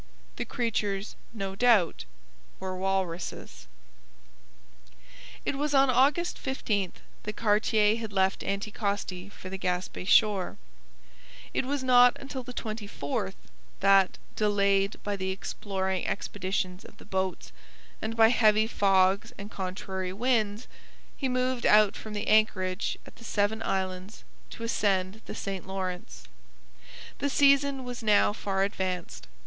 The creatures, no doubt, were walruses. It was on August 15 that Cartier had left Anticosti for the Gaspe shore: it was not until the 24th that, delayed by the exploring expeditions of the boats and by heavy fogs and contrary winds, he moved out from the anchorage at the Seven Islands to ascend the St Lawrence. The season was now far advanced.